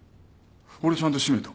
俺ちゃんと閉めた。